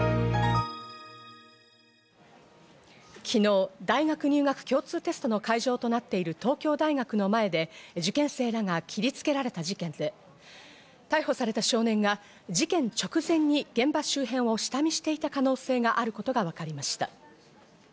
昨日、大学入学共通テストの会場となっている東京大学の前で、受験生らが切りつけられた事件で、逮捕された少年が事件直前に現場周辺を下見していた可能性があることがわかりました。